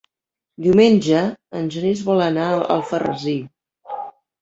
Diumenge en Genís vol anar a Alfarrasí.